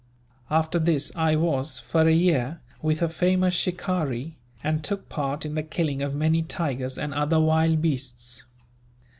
After this I was, for a year, with a famous shikaree; and took part in the killing of many tigers, and other wild beasts.